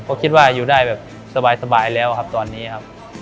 ก็คิดว่าอยู่ได้สบายแล้วครับตอนนี้ครับ